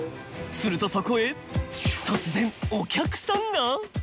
するとそこへ突然お客さんが？